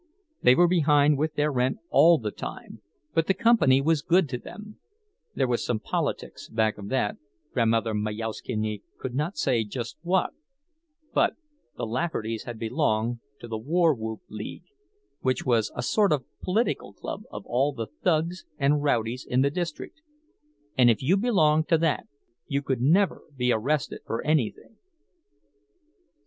They were behind with their rent all the time, but the company was good to them; there was some politics back of that, Grandmother Majauszkiene could not say just what, but the Laffertys had belonged to the "War Whoop League," which was a sort of political club of all the thugs and rowdies in the district; and if you belonged to that, you could never be arrested for anything.